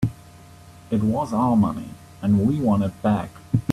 It was our money and we want it back.